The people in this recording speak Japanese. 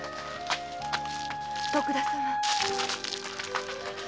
徳田様。